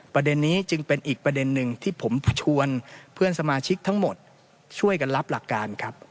ประเด็นนี้จึงเป็นอีกประเด็นหนึ่งที่ผมชวนเพื่อนสมาชิกทั้งหมดช่วยกันรับหลักการครับ